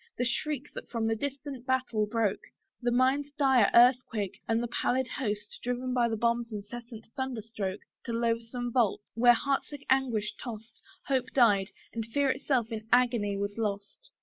The shriek that from the distant battle broke! The mine's dire earthquake, and the pallid host Driven by the bomb's incessant thunder stroke To loathsome vaults, where heart sick anguish toss'd, Hope died, and fear itself in agony was lost!